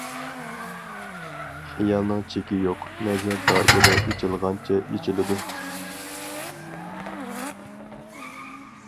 خىيالنىڭ چېكى يوق، نەزەر دائىرە ئېچىلغانچە ئېچىلىدۇ.